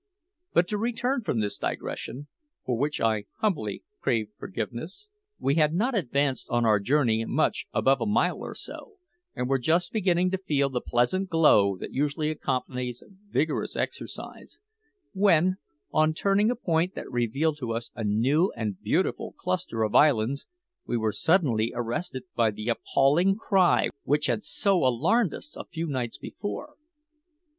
But to return from this digression, for which I humbly crave forgiveness. We had not advanced on our journey much above a mile or so, and were just beginning to feel the pleasant glow that usually accompanies vigorous exercise, when, on turning a point that revealed to us a new and beautiful cluster of islands, we were suddenly arrested by the appalling cry which had so alarmed us a few nights before.